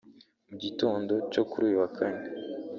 Mu gitondo cyo kuri uyu wa Kane